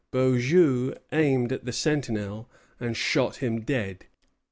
Beaujeu aimed at the sentinel and shot him dead.